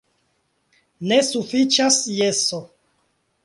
Ne sufiĉas jeso.